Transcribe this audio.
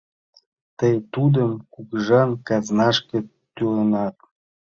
Тый тудым кугыжан казнашке тӱленат.